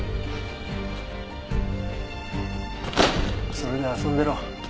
それで遊んでろ。